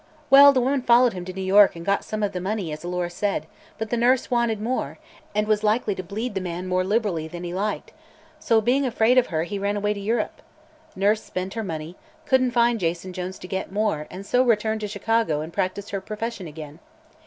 Well, the woman followed him to New York and got some of the money, as Alora said; but the nurse wanted more, and was likely to bleed the man more liberally than he liked; so, being afraid of her, he ran away to Europe. Nurse spent her money, couldn't find Jason Jones to get more, and so returned to Chicago and practiced her profession again.